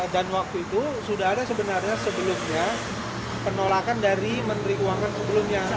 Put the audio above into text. dan waktu itu sudah ada sebenarnya sebelumnya penolakan dari menteri keuangan sebelumnya